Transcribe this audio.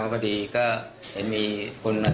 พอดีก็เห็นมีคน